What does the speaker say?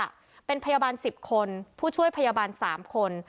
ถ้าเป็นพยาบาลสิบคนผู้ช่วยพยาบาลสามคน